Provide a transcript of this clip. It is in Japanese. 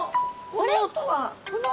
この音は。